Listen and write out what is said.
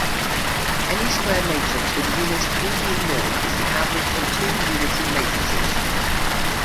Any square matrix with unit Euclidean norm is the average of two unitary matrices.